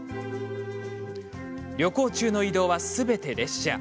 旅行中の移動はすべて列車。